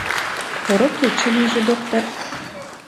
Поро кече лийже, доктор!